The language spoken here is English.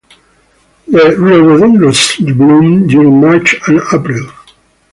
The rhododendrons bloom during March and April.